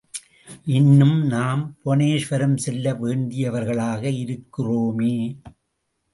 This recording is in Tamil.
இன்னும் நாம் புவனேஸ்வரம் செல்ல வேண்டியவர்களாக இருக்கிறோமே.